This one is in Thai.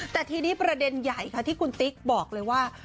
แต่ทีนี้ประเด็นใหญ่ค่ะที่คุณติ๊กบอกเลยว่า